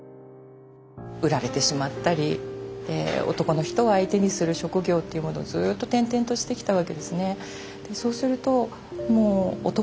売られてしまったり男の人を相手にする職業っていうものをずっと転々としてきたわけですね。